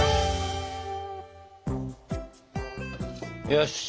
よし。